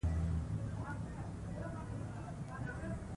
طبیعي خواړه تر کیمیاوي هغو غوره دي.